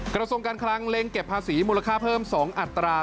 กระทรวงการคลังเล็งเก็บภาษีมูลค่าเพิ่ม๒อัตรา